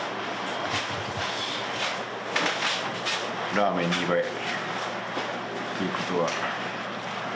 ラーメン２倍ということは。